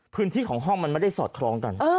พื้นที่ของห้องมันไม่ได้สอดคล้องกัน